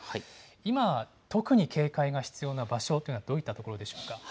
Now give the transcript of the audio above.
今、特に警戒が必要な場所というのはどういった所でしょうか。